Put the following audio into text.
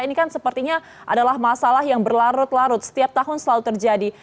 ini kan sepertinya adalah masalah yang berlarut larut setiap tahun selalu terjadi